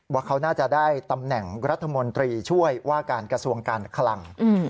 ว่าเขาน่าจะได้ตำแหน่งรัฐมนตรีช่วยว่าการกระทรวงการคลัง